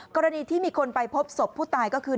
กรณีที่มีคนไปพบศพผู้ตายก็คือ